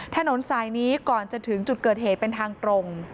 ถนนสายนี้ก่อนจะถึงจุดเกิดเหตุเป็นทางตรง